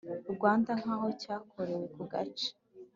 Rwanda nk aho cyakorewe ku gace